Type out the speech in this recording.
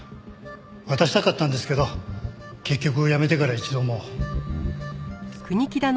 渡したかったんですけど結局辞めてから一度も。